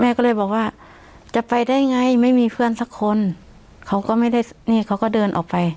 ก็เลยบอกว่าจะไปได้ไงไม่มีเพื่อนสักคนเขาก็ไม่ได้นี่เขาก็เดินออกไป